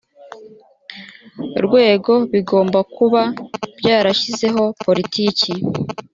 rwego bigomba kuba byarashyizeho politiki